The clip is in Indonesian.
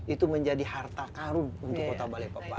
itu menjadi harta karun untuk kota balikpapan